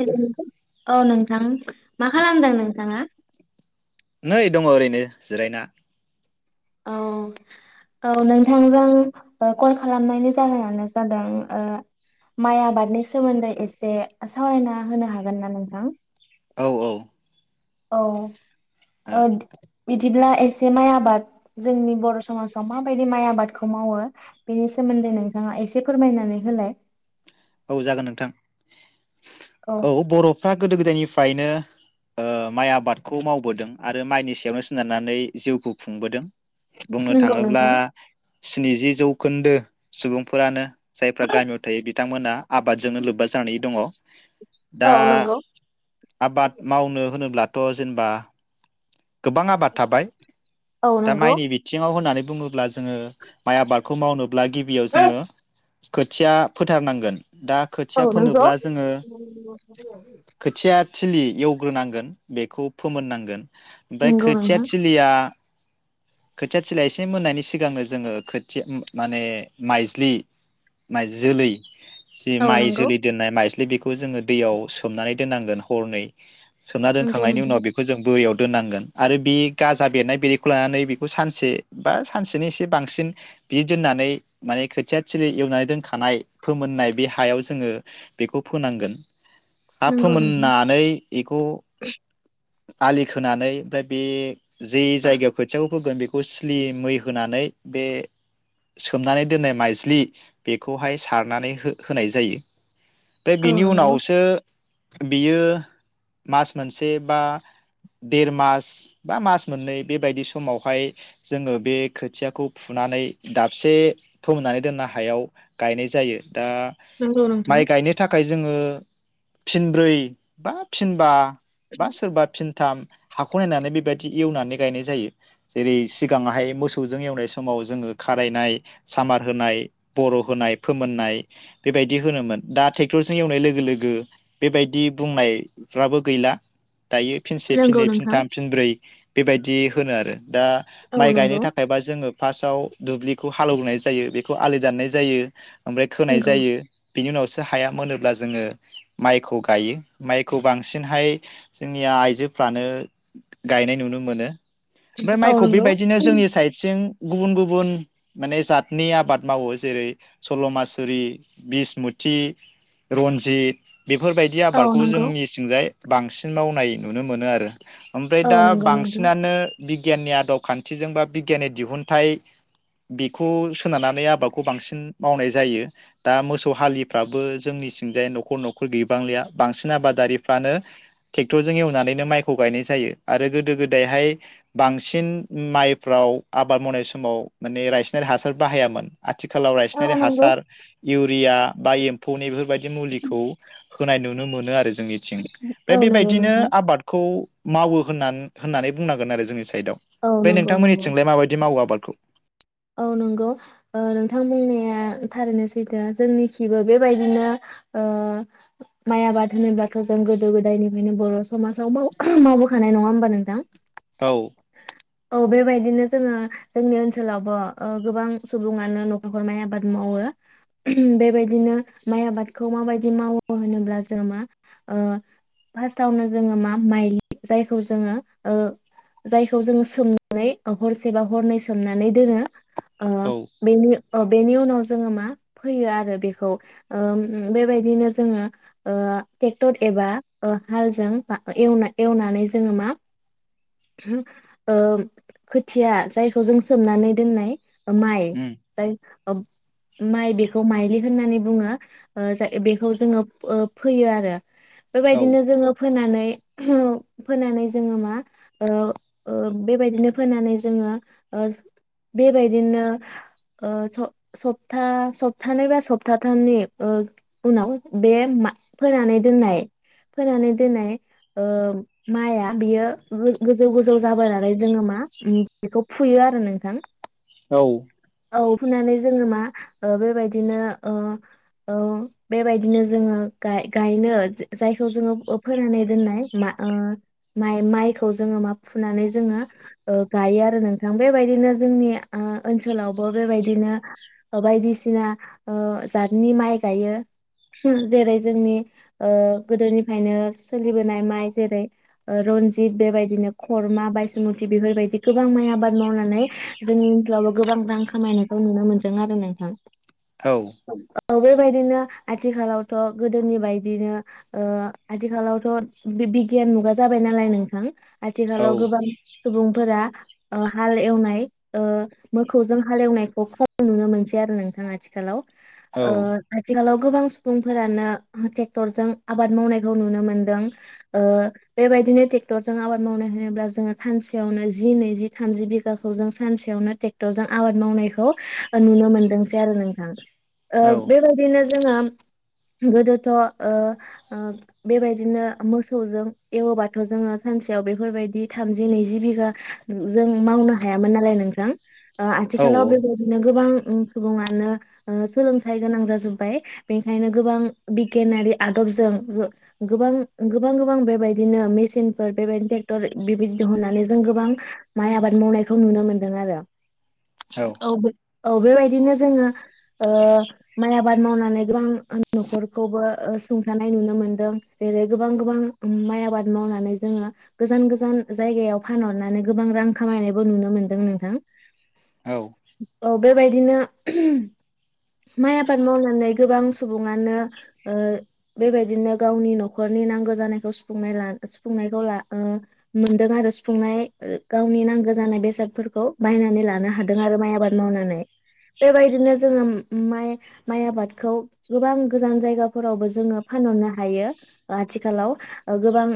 Hello औ नोंथां। मा खालामदों नोंथाङा? नै दङ ओरैनो जिरायना। औ औ नोंथांजों ओ कल खालामनायनि जाहोनानो जादों ओ माइ आबादनि सोमोन्दै एसे सावरायना होनो हागोन ना नोंथां? औ औ औ ओ बिदिब्ला ए से माइ आबाद जोंनि बर' समाजाव माबायदि माइ आबादखौ मावो बेनि सोमोन्दै नोंथाङा एसे फोरमायनानै होलाय? औ जागोन नोंथां। औ बर'फ्रा गोदो गोदायनि फ्रायनो ओ माइ आबादखौ मावबोदों आरो माइनि सायावनो सोनारनानै जिउखौ खुंबोदों। बुंनो नंगौ थाङोब्ला नोंथां स्निजि जौखोन्दो सुबुंफोरानो जायफ्रा गामियाव थायो बि बिथांमोना आबादजोंनो लोब्बा जानानै दङ। दा औ नंगौ आबाद मावनो होनोब्ला थ' जेनेबा गोबां आबाद थाबाय औ दा नंगौ माइनि बिथिङाव होननानै बुङोब्ला जोङो माइ आबादखौ मावनो ब्ला गिबियाव जोङो खोथिया फोथारनांगोन। दा औ खोथिया नंगौ फोनोब्ला जोङो। खोथिया थिलि एव ग्रोनांगोन बेखौ फोमोननांगोन। ओमफाय नंगौ खोथिया नोंथां थिलिया खोथिया थिलिया एसे मोननायनि सिगांनो जोङो खोथिया माने माइज्लि माइ जोलै जि औ माइ नंगौ जोलै दोननाय माइज बे बेखौ जोङो दैयाव सोमनानै दोननांगोन हरनै। सोमना नंगौ दोनखांनायनि उनाव नोंथां बेखौ जों बोरियाव दोननांगोन आरो बे गाजा बेरनाय बेरैखौ लानानै बेखौ सानसे बा सानसेनि एसे बांसिन बि दोननानै माने खोथिया थिलि एवनानै दोनखानाय फोमोननाय बे हायाव जोङो बेखौ फोनांगोन हा नंगौ नोंथां फोमोननानै बेखौ आलि खोनोनानै ओमफ्राय बे जे जायगायाव खोथियाखौ फोगोन बेखौ स्लि मै होनानै बे सोमनानै दोननाय माइज्लि बेखौहाय सारनानै होनाय जायो ओमफ्राय औ बिनि नंगौ उनावसो बियो मास मोनसे बा देर मास बा मास मोननै बेबायदि समावहाय जोङो बे खोथियाखौ फुनानै दाबसे फोमनानै दोननो हायाव गायनाय जायो दा नंगौ नोंथां माइ गायनो थाखाय जोङो फिनब्रै बा फिनबा बा सोरबा थाम हाखौ नायनानै बेबायदि एवनानै गायनाय जायो जेरै सिगाङाहाय मोसौजों एवनाय समाव जोङो खारायनाय सामार होनाय बर' होनाय फोमोननाय बेबायदि होनोमोन दा ट्रेक्टरजों एवनाय लोगो लोगो बेबायदि बुंनायफ्राबो गैला दायो फिनसे नंगौ फिननै नोंथां फिनथाम फिनब्रै बेबायदि दि होनो आरो दा औ माइ गायनो नंगौ थाखायबा जोङो फार्स्टाव दुब्लिखौ हालौवबोनाय जायो बेखौ आलि दाननाय जायो ओमफ्राय खोनाय नंगौ जायो बिनि उनावसो हाया मोनोब्ला जोङो माइखौ गायो माइखौ बांसिनहाय जोंनिया आइजोफ्रानो गायनाय नुनो मोनो ओमफ्राय औ माइखौ नंगौ बेबायदिनो जोंनि साइद सिं गुबुन गुबुन माने जातनि आबाद मावो जेरै सल'मासुरि बिसमुथि रन्जि बेफोरबायदि औ आबादखौ नंगौ जोंनि सिंजाय बांसि सिन मावनाय नुनो मोनो आरो ओमफ्राय औ दा नंगौ नोंथां बांसिनानो बिगियाननि आदब खान्थिजों बा बिगियाननि दिहुनथाइ बेखौ सोनारनानै आबादखौ बांसिन मावनाय जायो दा मोसौ हालिफ्राबो जोंनि सिंजाय न'खर न'खर गैबांलिया बांसिन आबादारिफ्रानो ट्रेक्टरजों एवनानैनो माइखौ गायनाय जायो आरो गोदो गोदायहाय बांसिन माइफ्राव आबाद मावनाय समाव माने रायसिनारि हासार बाहायामोन आथिखालाव औ रायसिनारि नंगौ हासार इउरिया बा एम्फौनिबो बायदि मुलिखौ होनाय नुनो मोनो आरो जोंनिथिं औ नंगौ बेबायदिनो नोंथां आबादखौ खौ मावो होननान होननानै बुंनांगोन आरो जोंनि [unintelligible] दं औ ओमफाय नंगौ नंगौ नोंथांमोननिथिंलाय माबायदि मावो आबाद खौ औ नांगौ ओ नोंथां बुंनाया थारैनो सैथो जोंनिखिबो बेबायदिनो ओ माइ आबाद होनोबाथ' जों गोदो गोदायनिफ्रायनो बर' समाजाव माव मावबोखा खानाय नङा होमबा नोंथां औ औ बेबायदिनो जोङो जोंनि ओनसोलाव बवा ओ गोबां सुबुंआनो न'खर खर माइ आबाद मावो बेबायदिनो माइ आबादखौ माबायदि मावो होनोब्ला जोङो मा ओ फार्टावनो जोङो मा माइलि जायखौ जोङो ओ जायखौ जोंङो सोमनानै हरसेबा हरनै सोमनानै दोनो आ औ बेनि ओ बेनि उनाव जोङो मा फैयो आरो बेखौ ओम बेबायदिनो जोङो ओ ट्रेक्टर एबा ओ हालजों एवना एवनानै जोङो मा ओम खोथिया जायखौ जों सोमनानै दोननाय ओ माइ उम जाय ओब माइ बेखौ माइलि होननानै बुङो ओ जा बेखौ जोङो ओ फोयो आरो औ बेबायदिनो जोङो फोननानै नै फोनानै जोङो मा ओ ओ बेबायदिनो फोनानै जोङो ओ बेबायदिनो ओ सप्ता सप्तानै बा सप्ताथामनि ओ उनाव बे मा फोनानै दोननाय फोनानै दोननाय ओ माइया बियो गोज गोजौ गोजौ जाबोनानै जोङो मा उम बेखौ फुयो आरो नोंथां। औ। औ फुनानै जोङो मा ओ बेबायदिनो ओ ओ बेबायदिनो जोङो गाय गायनो जाय जायखौ जोङो फो फोनानै दोननाय मा ओ माइ माइखौ जोङो मा फुनानै जोङो ओ गायो आरो नोंथां बेबायदिनो जोंनि आ ओनसोलावबो बेबायदिनो बायदिसिना ओ जातनि माइ गायो जेरै जोंनि ओ गोदोनिफायनो सोलिबोनाय माइ जेरै ओ रनजित बेबायदिनो खरमा बायसुमथि बेफोरबायदि गोबां माइ आबाद मावनानै। जोंनि ओनसोलावबो गोबां रां खामायनायखौ नुनो मोनदों आरो नोंथां। औ औ बेबायदिनो आथिखालावथ' गोदोनि बायदियैनो ओ आथिखालावथ' बे बिगियान मुगा जाबाय नालाय नोंथां। औ आथिखालाव गोबां सुबुं फोरा हाल एवनाय ओ मोखौजों हालेवनायखौ खम नुनो मोनसै आरो नोंथाङा आथिखालाव ओ आथिखालाव गोबां सुबुंफोरानो ट्रेक्टरजों आबाद मावनायखौ नुनो मोनदों ओ बेबायदिनो ट्रेक्टरजों आबाद मावनाय होनोब्ला जोङो सानसेयावनो जि नैजि थामजि बिघाखौ जों सानसेयावनो ट्रेक्टरजों आबाद मावनायखौ नुनो मोनदोंसै आरो नोंथां। ओ बेबायदिनो जोंङो गोदोथ ओ बेबायदिनो मोसौजों एवोबाथ जोंङो सानसेयाव बेफोरबायदि थामजि नैजि बिघा जों मावनो हाया। मोन नालाय नोंथां। औ आथिखालाव औ बेबायदिनो गोबां सुबुङानो सोलोंथाइ गोनां जाजोब्बाय बेनिखायनो गोबां बिगियानारि आदबजों गोबां गोबां गोबां बेबायदिनो मेसिनफोर बेबायदिनो ट्रेक्टर बेबायदि दिहुननानै जों गोबां माइ आबाद मावनाय खौ नुनो मोन्दों आरो- औ औ बेबायदिनो जोंङो ओ माइ आबाद मावनानै गोबां नखरखौबो सुंथानाय नुनो मोनदों जेरै गोबां गोबां माइ आबाद मावनानै जोंङो गोजान गोजान जायगायाव फानहरनानै गोबां रां खामायनाय नुनो मोनदों नोंथां। औ औ बेबायदिनो माइ आबाद मावनानै गोबां सुबुङानो ओ बेबायदिनो गावनि नखरनि नांगौ जानायखौ सुुंनाय सुफुंनायखौ मोनदों आरो सुफुंनाय गावनि नांगौ जानाय बेसादफोरखौ बायनानै लानो हादों आरो माइ आबाद मावनानै बेबायदिनो जोंङो माइ माइ आबादखौ गोबां गोजान जायगाफोरावबो जोंङो फानहरनो हायो आथिखालाव गोबां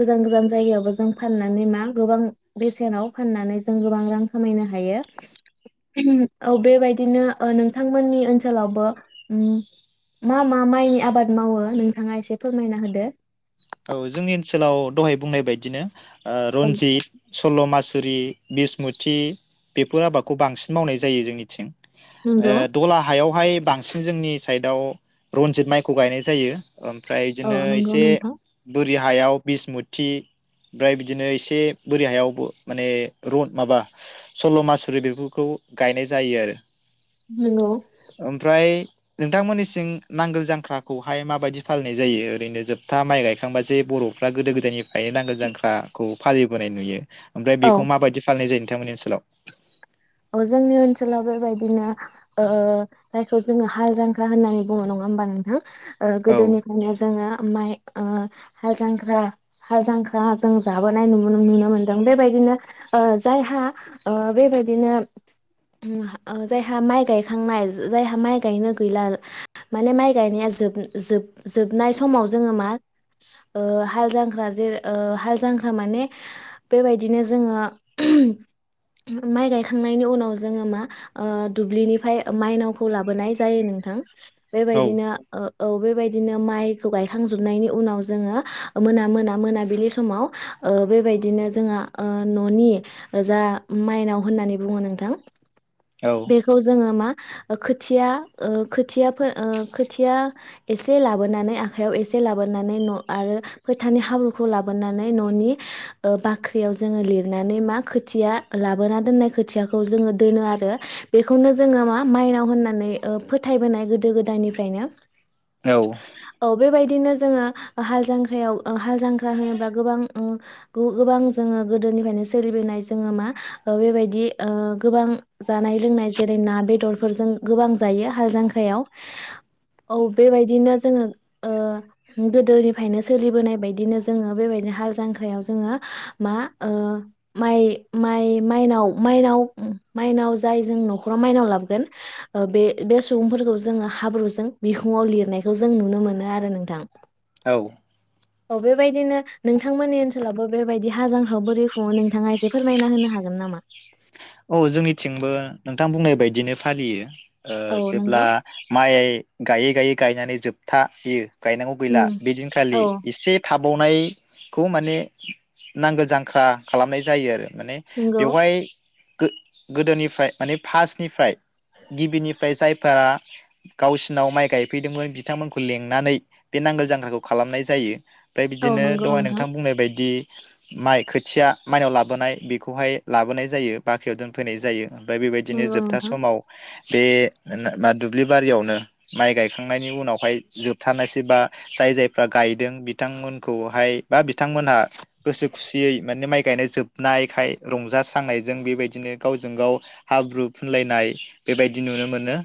गोजान गोजान जायगायावबो जों फाननानै मा गोबां बेसेनाव फाननानै जों गोबां रां खामायनो हायो। औ बेबायदिनो नोंथांमोननि ओनसोलावबो मा मा माइनि आबाद मावो? नोंथाङा एसे फोरमायना होदो। औ जोंनि ओनसोलाव दहाय बुंनाय बायदिनो। ओ औ रनजित सल'मास थुरि बिसमुथि बेफोर आबादखौ बांसिन मावनाय जायो जोंनिथिं। ओ नंगौ दला हायाव। बेहाय बांसिन जोंनि साइदआव रनजित माइखौ गायनाय जायो। ओमफ्राय औ इदिनो नंगौ एसे नोंथां बोरि हायाव बिसमुथि ओमफ्राय बिदिनो एसे बोरि हायावबो माने रन माबा सलमासुरि बेफोरखौ गायनाय जायो आरो। नंगौ ओमफ्राय नोंथांमोननिसिं नांगोल जांख्राखौहाय माबायदि फालिनाय जायो ओरैनो जोब हा माइ गायखांबाजे बरफ्रा गोदो गोदायनि। गायनो नांगोल जांख्राखौ। फालिबोनाय नुयो। ओमफ्राय औ बेखौ माबायदि फालिनाय जायो। नोंथांमोननि ओनसोलाव। अह जोंनि ओनसोलाव बेबायदिनो ओ जायखौ जोंङो हाल जांख्रा होननानै बुङो नङा होमबा नोंथां? ओ औ गोदोनिफ्रायनो जोंङो। माइ ओ हाल जांख्रा हाल जांख्रा जों जाबोनाय नुनो मोनदों बेबायदिनो ओ जायहा ओ बेबायदि बिदिनो ओ जायहा माइ गायखांनाय जायहा माइ गायनो गैला माने माइ गायनाया जोब जोब जोबनाय समाव जोंङो मा ओ हाल जांख्रा जे ओ हाल जांख्रा माने बेबायदिनो जोंङो ओहोम माइ गाय खांनायनि उनाव जोंङो मा ओ दुब्लिनिफ्राय माइनावखौ लाबोनाय जायो नोंथां। औ बेबायदिनो ओ। औ बेबायदिनो माइखौ गायखांजोबनायनि उनाव जोंङो मोना मोना मोनाबिलि समाव ओ बेबायदिनो जोङो ओ ननि जा माइनाव होननानै बुङो नोंथां। औ बेखौ जोंङो मा खोथिया ओ खोथियाफो खोथिया एसे लाबोनानै आखाइयाव एसे लाबोनानै न आरो फोथानि हाब्रुखौ लाबोनानै ननि ओ बाख्रियाव जोंङो लिरनानै मा खोथिया लाबोना दोननाय खोथियाखौ जोंङो दोनो आरो बेखौनो जोंङो मा माइनाव होननानै ओ फोथायबोनाय गोदो गोदायनिफ्रायनो। औ औ बे बायदि। बिदिनो जोङो हाल जांख्रायाव ओ हाल जांख्रा होनोबा गोबां ओ गोबां जोङो गोदोनिफ्रायनो सोलिबोनाय जोङो मा बेबायदि। ओ गोबां जानाय लोंनाय जेरै ना बेदरफोरजों गोबां जायो हाल जांख्रायाव औ बेबायदिनो जोङो ओ गोदोनिफ्रायनो सोलिबोनाय बायदिनो जोङो बेबायदिनो हाल जांख्रायाव जोङो मा ओ माइ माइ माइनाव। माइनाव-माइनाव जाय जों नखराव माइनाव लाबोगोन बे बे सुबुंफोरखौ जोङो हाब्रुजों बिखुाव लिरनायखौ जों नुनो मोनो आरो नोंथां। औ औ बेबायदिनो नोंथांमोननि ओनसोलावबो बेबायदि। हाल जांखाखौ बोरै खुङो नोंथाङा एसे फोरमायना होनो हागोन नामा? औ जोंनिथिंबो नोंथां बुंनाय बायदिनो फालियो। ओ औ जेब्ला नंगौ माइ गायै-गायै गायनानै जोबथाहैयो। गायनांगौ गैला उम बेदिनखालि औ एसे थाब। हाबावनायखौ माने नांगोल जांख्रा खालामनाय जायो आरो। माने नंगौ बेवहाय। गोदोनिफ्राय माने फार्स्टनिफ्राय गिबिनिफ्राय जायफोरा गावसिनाव माइ गायफैदोंमोन बिथांमोनखौ लेंनानै बे नांगोल जांग्राखौ खालामनाय जायो। ओमफ्राय औ बिदिनो नंगौ दहाय नोंथां बुंनाय बायदि। माइ खोथिया माइनाव लाबोनाय बेखौहाय लाबोनाय जायो। बाख्रियाव दोनफैनाय जायो। ओमफ्राय बेबायदिनो नंगौ जोबथा नोंथां समाव। बे दुब्लि बारियावनो माइ गायखांनायनि उनावहाय जोबथारानायसै बा जाय जायफ्रा गायदों बिथांमोनखौहाय बा बिथांमोनहा। गोसो खुसियै माने माइ गायनो जोबनायखाय रंज सांनाय। जों बेबायदिनो गावजों गाव हाब्रु फुनलायनाय बेबायदि नुनो मोनो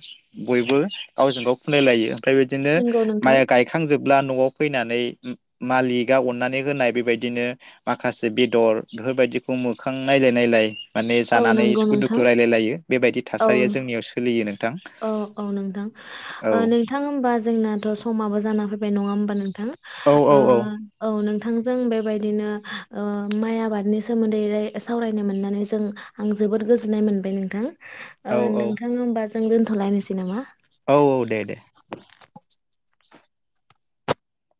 बयबो गावजों गाव खुनलायलायो। ओमफ्राय बिदिनो नंगौ माइ नोंथां गायखांजोब। ब्ला नआव फैनानै मालिका अननानै होनाय बेबायदिनो माखासे बेदर बेफोरबायदिखौ मोखां नायलाय-नायलाय। माने औ जानानै नंगौ सुखु नोंथां दुखु रायलाय लायो बेबायदि। थासारिया जोंनियाव सलि। बियोनो औ-औ ओ नोंथां-नोंथां होमबा जोंनाथ समाबो जाना फै। बे नडां होनबा नोंथां। औ औ औ ओं ओ औ नों। नोंथांजों बेबायदिनो माइ आबादनि सोमोन्दै सावरायनो मोननानै जों आं जोबोद गोजोननाय मोनबाय नोंथां। ओ औ नोंथां होनबा जों दोनथलायनोसै नामा। औ-औ दे-दे